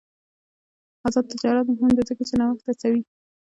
آزاد تجارت مهم دی ځکه چې نوښت هڅوي.